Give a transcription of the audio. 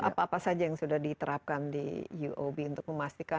apa apa saja yang sudah diterapkan di uob untuk memastikan